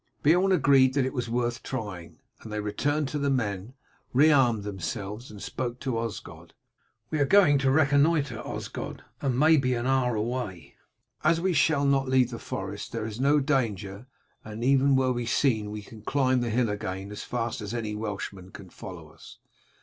Beorn agreed that it was worth trying, and they returned to the men, rearmed themselves, and spoke to Osgod. "We are going to reconnoitre, Osgod, and may be an hour away. As we shall not leave the forest there is no danger, and even were we seen we can climb the hill again as fast as any Welshman can follow us.